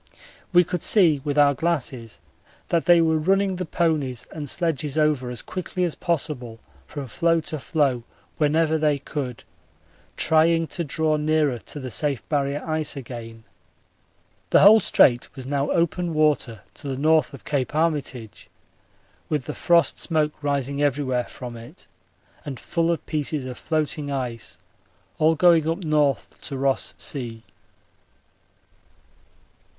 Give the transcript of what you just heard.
We could see with our glasses that they were running the ponies and sledges over as quickly as possible from floe to floe whenever they could, trying to draw nearer to the safe Barrier ice again. The whole Strait was now open water to the N. of Cape Armitage, with the frost smoke rising everywhere from it, and full of pieces of floating ice, all going up N. to Ross Sea.